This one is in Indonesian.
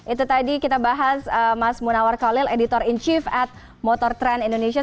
itu tadi kita bahas mas munawar kolil editor in chief at motor trend indonesia